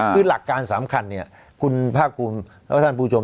คือหลักการสำคัญเนี่ยคุณพระคุณพระท่านผู้ชม